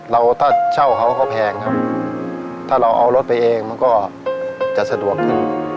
ถ้าเช่าเขาก็แพงครับถ้าเราเอารถไปเองมันก็จะสะดวกขึ้น